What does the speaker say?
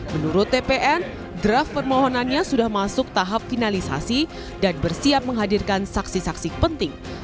menurut tpn draft permohonannya sudah masuk tahap finalisasi dan bersiap menghadirkan saksi saksi penting